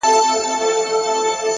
پرمختګ د دوامداره هڅې حاصل دی!.